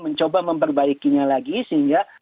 mencoba memperbaikinya lagi sehingga